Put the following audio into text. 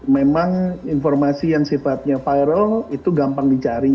memang informasi yang sifatnya viral itu gampang dicari